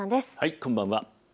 こんばんは。